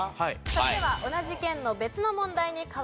それでは同じ県の別の問題に変わります。